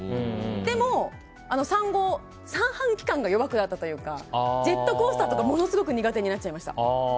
でも、産後に三半規管が弱くなったというかジェットコースターとかものすごく苦手になっちゃいました。